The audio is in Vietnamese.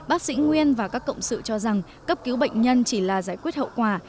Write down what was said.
bác sĩ nguyên và các cộng sự cho rằng cấp cứu bệnh nhân chỉ là giải quyết hậu quả